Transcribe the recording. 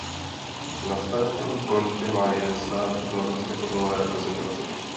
Na svém kontě má jeden start v norské fotbalové reprezentaci.